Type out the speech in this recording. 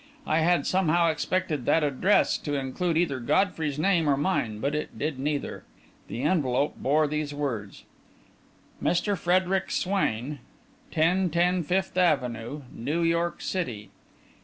I had somehow expected that address to include either Godfrey's name or mine; but it did neither. The envelope bore these words: Mr. Frederic Swain, 1010 Fifth Avenue, New York City.